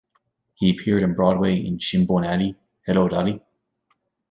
He appeared on Broadway in "Shinbone Alley", "Hello, Dolly!